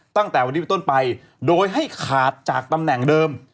ตั้งแต่วันนี้เป็นต้นไปโดยให้ขาดจากตำแหน่งเดิม